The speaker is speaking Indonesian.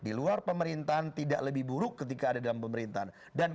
dan di luar pemerintahan tidak lebih buruk ketika ada dalam pemerintahan